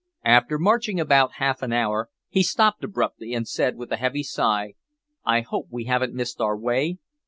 After marching about half an hour he stopped abruptly and said, with a heavy sigh, "I hope we haven't missed our way?"